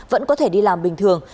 vẫn có thể đi làm bình thường